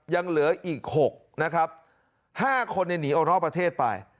ยังเหลืออีก๖นะครับ๕คนหนีออกนอกประเทศไป